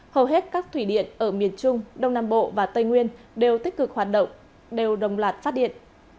hầu hết các thủy điện ở miền trung đông nam bộ và tây nguyên đều tích cực hoạt động đều đồng loạt phát điện